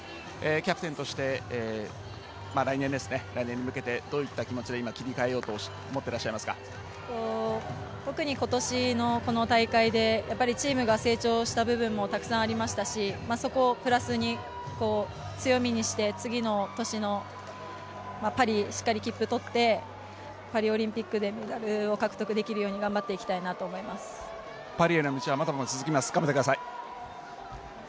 キャプテンとして来年に向けてどういった気持ちで今、切り替えようと特に今年の、この大会でチームが成長した部分もたくさんありましたしそこをプラスに強みにして、次の年のパリへ、しっかり切符を取ってパリオリンピックでメダルを獲得できるようにパリへの道はまだまだ続きます頑張ってください。